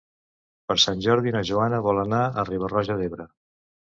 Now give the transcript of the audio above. Per Sant Jordi na Joana vol anar a Riba-roja d'Ebre.